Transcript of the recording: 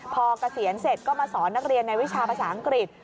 พอเกษียณเสร็จก็มาสอนนักเรียนในวิชาภาษาอังกฤษ